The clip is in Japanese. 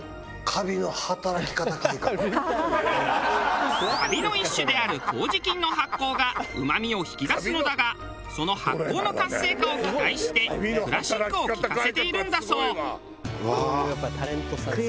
カビの一種である麹菌の発酵がうまみを引き出すのだがその発酵の活性化を期待してクラシックを聴かせているんだそう。